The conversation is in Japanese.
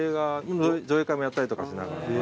上映会もやったりとかしながら。